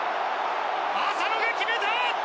浅野が決めた！